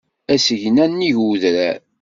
Asegna nnig udrar.